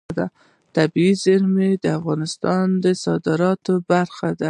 طبیعي زیرمې د افغانستان د صادراتو برخه ده.